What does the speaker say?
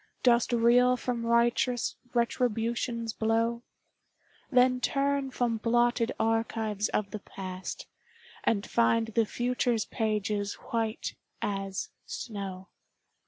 Dost reel from righteous Retribution's blow? Then turn from blotted archives of the past, And find the future's pages white as snow.